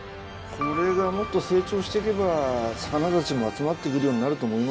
これがもっと成長して行けば魚たちも集まって来るようになると思いますよ。